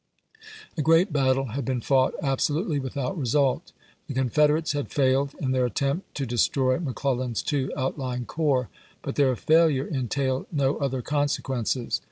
A gi'eat battle had been fought absolutely with out result. The Confederates had failed in their attempt to destroy McClellan's two outlying corps, but their failui^e entailed no other consequences.